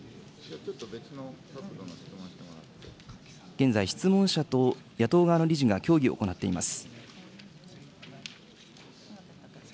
現在、質問者と野党側の理事が協議を行っています。